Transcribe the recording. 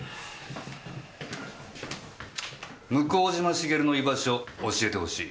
向島茂の居場所教えて欲しい。